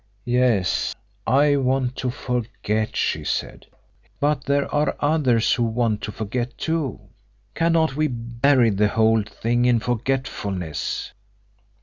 "Yes, I want to forget," she said. "But there are others who want to forget, too. Cannot we bury the whole thing in forgetfulness?"